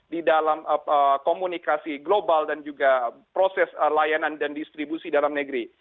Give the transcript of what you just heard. di dalam komunikasi global dan juga proses layanan dan distribusi dalam negeri